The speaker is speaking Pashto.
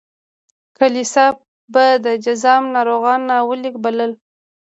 کلیسا به د جذام ناروغان ناولي بلل.